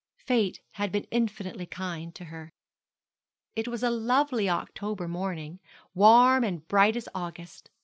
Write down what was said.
Fate had been infinitely kind to her. It was a lovely October morning, warm and bright as August.